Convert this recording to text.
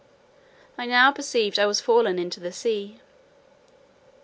I now perceived I was fallen into the sea.